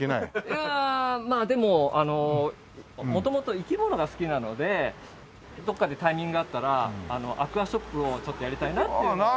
いやあまあでも元々生き物が好きなのでどっかでタイミングあったらアクアショップをちょっとやりたいなって。